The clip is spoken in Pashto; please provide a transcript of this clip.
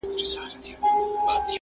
بس کارونه وه د خدای حاکم د ښار سو.